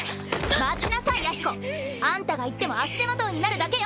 待ちなさい弥彦！あんたが行っても足手まといになるだけよ。